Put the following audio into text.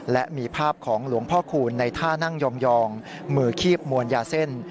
และมีภาพของหลวงพ่อคูณในท่านั่งยองมือคีบมวลยาเส้น